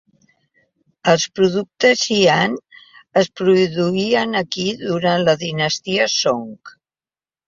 Els productes Jian es produïen aquí durant la dinastia Song.